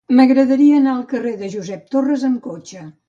M'agradaria anar al carrer de Josep Torres amb cotxe.